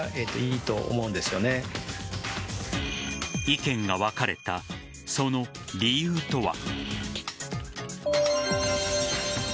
意見が分かれた、その理由とは。